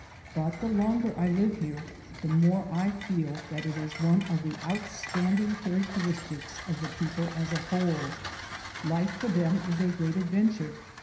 But the longer I live here, the more I 280 THE SOUL OF AN IMMIGRANT feel that it is one of the outstanding characteristics of the people as a whole. Life for them is a great adventure.